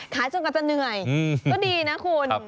จนกว่าจะเหนื่อยก็ดีนะคุณ